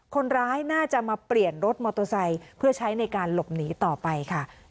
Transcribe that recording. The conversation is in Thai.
คนร้ายน่าจะมาเปลี่ยนรถมอเตอร์ไซค์เพื่อใช้ในการหลบหนีต่อไปค่ะ